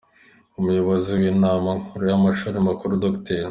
Umuyobozi w’inama nkuru y’amashuri makuru, Dr.